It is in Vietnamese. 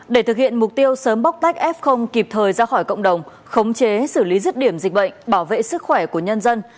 để thực hiện mục tiêu sớm bóc tách f kịp thời ra khỏi cộng đồng khống chế xử lý rứt điểm dịch bệnh bảo vệ sức khỏe của nhân dân